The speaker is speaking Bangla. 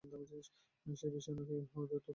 সে বিষয়ে নাকি তোমাদেরও বিশেষ মত।